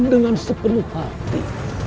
dengan sepenuh hati